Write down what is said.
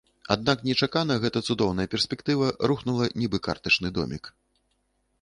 Аднак нечакана гэта цудоўная перспектыва рухнула нібы картачны домік.